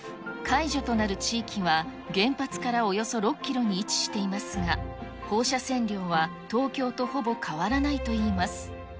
解除となる地域は、原発からおよそ６キロに位置していますが、放射線量は東京とほぼ変わらないといいます。